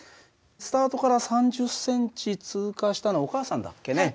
スタートから３０センチ通過したのはお母さんだっけね。